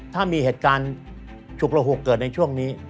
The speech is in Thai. ถ้ามีเหตุการณ์ฉุกระหุกเกิดในช่วงนี้